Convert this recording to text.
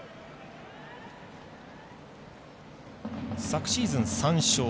昨シーズン、３勝。